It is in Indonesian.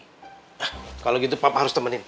nah kalau gitu papa harus temenin